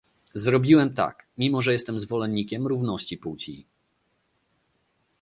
Zrobiłem tak, mimo że jestem zwolennikiem równości płci